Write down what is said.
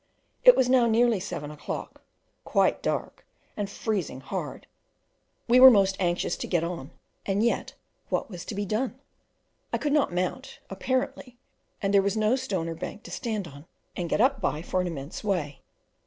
It was now nearly seven o'clock, quite dark, and freezing hard; we were most anxious to get on, and yet what was to be done? I could not mount, apparently, and there was no stone or bank to stand on and get up by for an immense way.